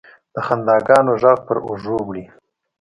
د خنداګانو، ږغ پر اوږو وړي